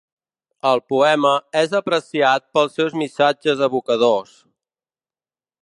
El poema és apreciat pels seus missatges evocadors.